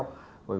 thứ hai là